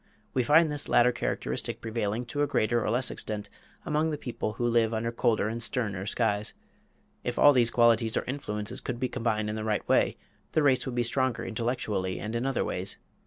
We find this latter characteristic prevailing to a greater or less extent among the people who live under colder and sterner skies. If all these qualities or influences could be combined in the right way, the race would be stronger intellectually and in other ways.